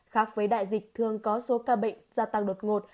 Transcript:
khác với đại dịch thường có số ca bệnh gia tăng đột ngột